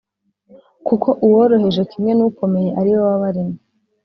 kuko uworoheje kimwe n’ukomeye ari we wabaremye,